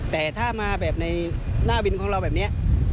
แต่ถ้ามาแบบในหน้าวินของเราแบบนี้